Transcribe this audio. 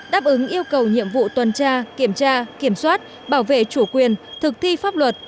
đáp ứng yêu cầu nhiệm vụ tuần tra kiểm tra kiểm soát bảo vệ chủ quyền thực thi pháp luật